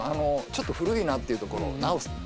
ちょっと古いなっていうところを直す